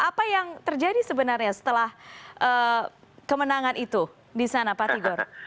apa yang terjadi sebenarnya setelah kemenangan itu di sana pak tigor